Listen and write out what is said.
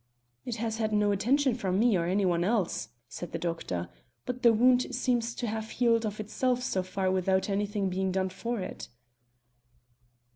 "It has had no attention from me or any one else," said the doctor; "but the wound seems to have healed of itself so far without anything being done for it."